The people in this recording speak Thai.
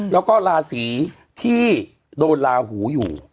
แล้วก็ราศีที่โดนลาหูอยู่